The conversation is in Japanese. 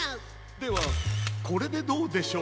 ではこれでどうでしょう？